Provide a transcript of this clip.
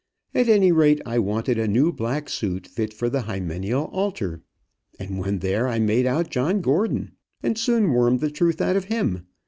At any rate, I wanted a new black suit, fit for the hymeneal altar. And when there I made out John Gordon, and soon wormed the truth out of him.